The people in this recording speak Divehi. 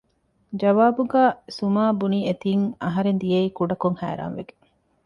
ޖަވާބުގައި ސުމާބުނިއެތިން އަހަރެން ދިޔައީ ކުޑަކޮށް ހައިރާން ވެގެން